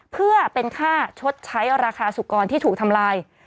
เป็นค่าชดใช้ราคาสุกรณ์ที่ถูกทำลาย